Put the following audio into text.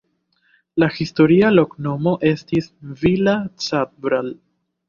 La historia loknomo estis Vila Cabral.